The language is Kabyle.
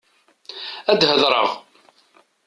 Ad hedṛeɣ.